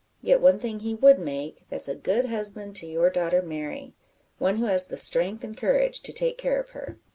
Yet, one thing he would make that's a good husband to your daughter Mary one who has the strength and courage to take care of her."